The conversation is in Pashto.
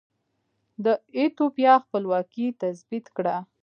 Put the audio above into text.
د ایتوپیا خپلواکي تثبیت کړه.